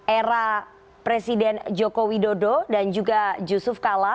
era presiden joko widodo dan juga yusuf kala